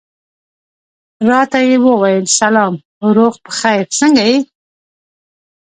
راته یې وویل سلام، روغ په خیر، څنګه یې؟